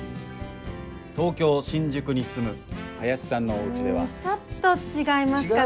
東京・新宿に住む林さんの。んちょっと違いますかね。